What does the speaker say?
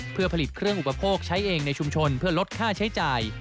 เพื่อผลิตเครื่องอุปโภคใช้เองในชุมชนเพื่อลดค่าใช้จ่าย